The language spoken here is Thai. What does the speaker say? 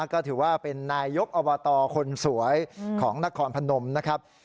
ก็ถือว่าเป็นนายยกอบตคนสวยของนครพนมนะครับ